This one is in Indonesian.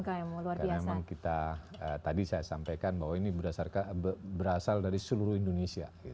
karena memang kita tadi saya sampaikan bahwa ini berasal dari seluruh indonesia